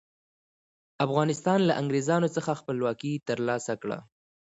افغانستان له انګریزانو څخه خپلواکي تر لاسه کړه.